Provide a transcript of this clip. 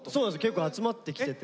結構集まってきてて。